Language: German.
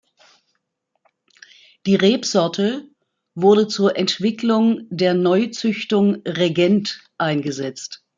Die Rebsorte wurde zur Entwicklung der Neuzüchtung Regent eingesetzt.